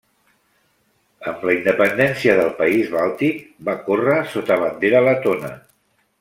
Amb la independència del país bàltic, va córrer sota bandera letona.